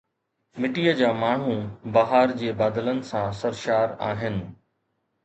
مٽيءَ جا ماڻهو بهار جي بادلن سان سرشار آهن